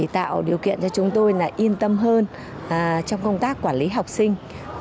tạo điều kiện cho chúng tôi yên tâm hơn trong công tác quản lý học sinh